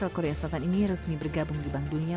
agar mereka bisa masuk ke